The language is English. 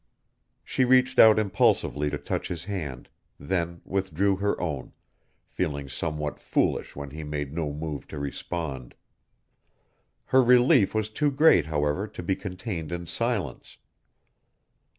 She reached out impulsively to touch his hand, then withdrew her own, feeling somewhat foolish when he made no move to respond. Her relief was too great, however, to be contained in silence.